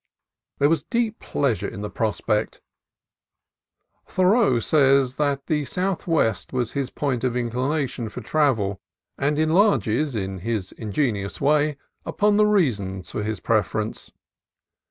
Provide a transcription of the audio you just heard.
There was deep pleasure in the prospect. Thoreau says that the southwest was his point of inclination for travel, and enlarges, in his ingenious way, upon the reasons for his preference.